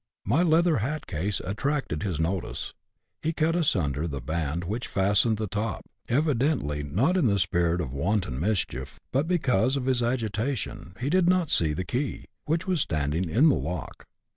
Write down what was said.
My leather hat case at tracted his notice ; he cut asunder the band which fastened the top, evidently not in the spirit of wanton mischief, but because, in his agitation, he did not see the key, which was standing in the lock.